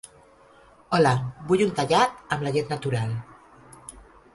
Hola, vull un tallat, amb la llet natural.